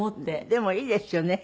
でもいいですよね。